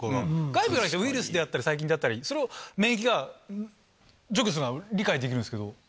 外部から来たウイルスであったり、最近であったり、それを免疫が除去するのは理解するんですけど。